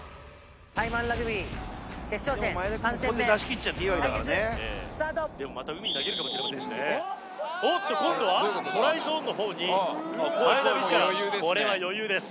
タイマンラグビー決勝戦でも真栄田君ここで出し切っちゃっていいわけだからねでもまた海に投げるかもしれませんしねおっと今度はトライゾーンのほうに真栄田自らこれは余裕です